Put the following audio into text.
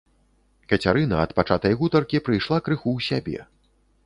Кацярына ад пачатай гутаркі прыйшла крыху ў сябе.